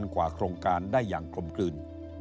กว่าโครงการได้อย่างกลมกลืน